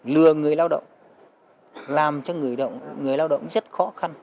lừa người lao động làm cho người lao động rất khó khăn